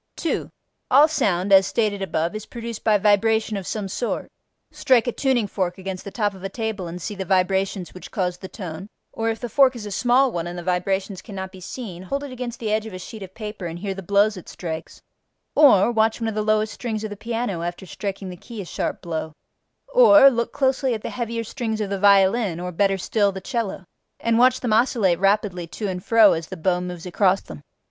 2. All sound (as stated above) is produced by vibration of some sort: strike a tuning fork against the top of a table and see the vibrations which cause the tone, or, if the fork is a small one and the vibrations cannot be seen, hold it against the edge of a sheet of paper and hear the blows it strikes; or, watch one of the lowest strings of the piano after striking the key a sharp blow; or, look closely at the heavier strings of the violin (or better still, the cello) and watch them oscillate rapidly to and fro as the bow moves across them.